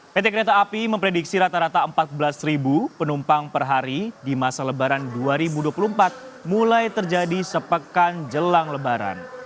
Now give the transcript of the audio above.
pt kereta api memprediksi rata rata empat belas penumpang per hari di masa lebaran dua ribu dua puluh empat mulai terjadi sepekan jelang lebaran